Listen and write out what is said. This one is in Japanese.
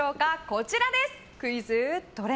こちらです。